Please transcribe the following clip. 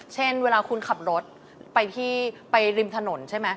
เช่นเวลาคุณขับรถไปที่ไปริมถนนใช่ไหม